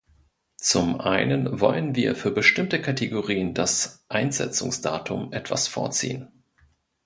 Zum einen wollen wir für bestimmte Kategorien das Einsetzungsdatum etwas vorziehen.